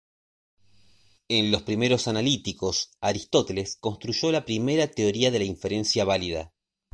En los "Primeros analíticos", Aristóteles construyó la primera teoría de la inferencia válida.